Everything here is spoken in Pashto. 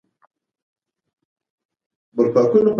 ډاکټر کمار وايي، یوازې سبزۍ خوړونکي خلک باید شیدې وڅښي.